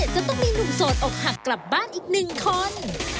จะต้องมีหนุ่มโสดอกหักกลับบ้านอีกหนึ่งคน